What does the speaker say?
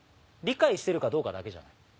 理解してるかどうかだけじゃない。